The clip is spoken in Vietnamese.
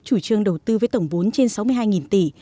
chủ trương đầu tư với tổng vốn trên sáu mươi hai tỷ